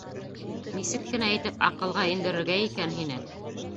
Нисек кенә итеп аҡылға индерергә икән һине?!